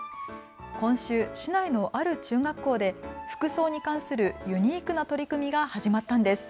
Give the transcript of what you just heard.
今週、市内のある中学校で服装に関するユニークな取り組みが始まったんです。